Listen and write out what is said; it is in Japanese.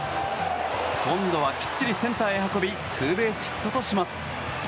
今度はきっちりセンターへ運びツーベースヒットとします。